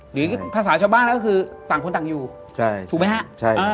หรือภาษาชาวบ้านก็คือต่างคนต่างอยู่ใช่ถูกไหมฮะใช่เออ